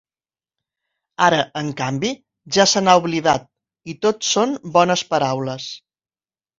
Ara, en canvi, ja se n’ha oblidat i tot són bones paraules.